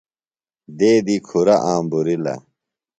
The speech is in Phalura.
دیدی کُھرہ آمبورِیلہ